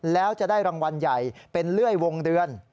แล้วจะได้รางวัลใหญ่เป็นเลื่อยวงเดือน